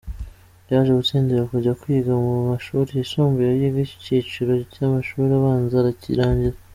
Yaje gutsindira kujya kwiga mu mashuri yisumbuye, yiga icyiciro cy’amashuri abanza arakirangiza.